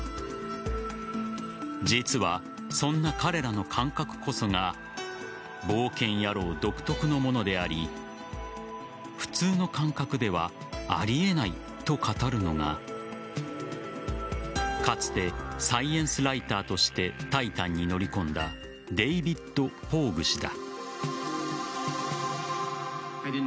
実は、そんな彼らの感覚こそが冒険野郎独特のものであり普通の感覚ではありえないと語るのがかつてサイエンスライターとして「タイタン」に乗り込んだデイビッド・ポーグ氏だ。